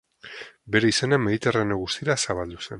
Bere izena Mediterraneo guztira zabaldu zen.